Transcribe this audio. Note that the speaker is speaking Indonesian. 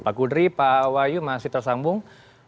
pak kudri pak wahyu masih tersambung